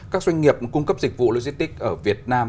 các doanh nghiệp cung cấp dịch vụ logistics ở việt nam